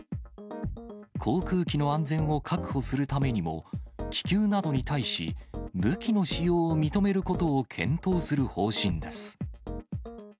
航空機の安全を確保するためにも、気球などに対し、武器の使用を認めることを検討する方針です。